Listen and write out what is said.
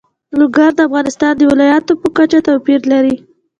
لوگر د افغانستان د ولایاتو په کچه توپیر لري.